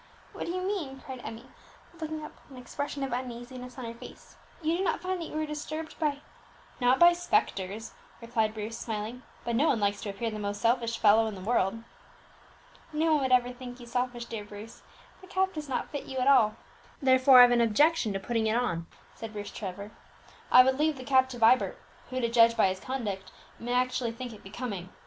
what do you mean?" cried Emmie, looking up with an expression of uneasiness on her face; "you do not find that you are disturbed by " "Not by spectres," replied Bruce, smiling; "but no one likes to appear to be the most selfish fellow in the world." "No one would ever think you selfish, dear Bruce; the cap does not fit you at all." "Therefore I have an objection to putting it on," said Bruce Trevor; "I would leave the cap to Vibert, who, to judge by his conduct, may actually think it becoming.